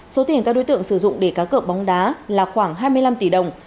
số tiền các đối tượng sử dụng để cá cợa bóng đá là khoảng hai mươi năm tỷ đồng